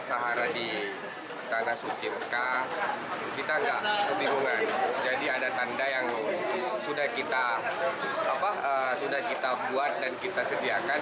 ada tanda yang sudah kita buat dan kita sediakan